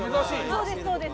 そうです。